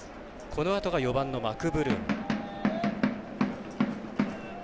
このあとが４番のマクブルーム。